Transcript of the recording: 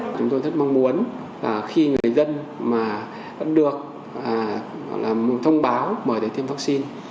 chúng tôi rất mong muốn khi người dân được thông báo mời để tiêm vaccine